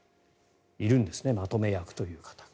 いるんですねまとめ役という方が。